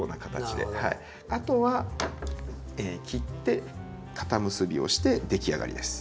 あとは切って固結びをして出来上がりです。